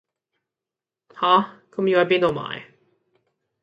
吓,咁要係邊到買